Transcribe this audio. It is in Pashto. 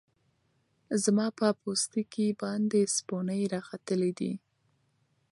زما په پوستکی باندی سپوڼۍ راختلې دی